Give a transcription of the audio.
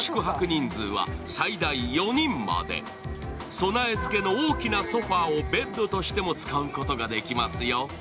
備え付けの大きなソファーをベッドとしても使うことができますよ。